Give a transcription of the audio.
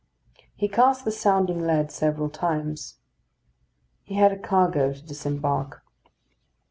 He cast the sounding lead several times. He had a cargo to disembark.